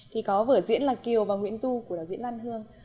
thì có vở diễn là kiều và nguyễn du của đạo diễn lan hương